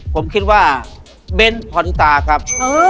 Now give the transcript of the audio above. ผมคิดว่าเบ้นพรตาครับ